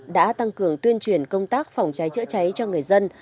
đã tăng cường tuyên truyền công tác phòng cháy chữa cháy cho người dân